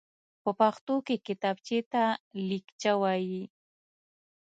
په پښتو کې کتابچېته ليکچه وايي.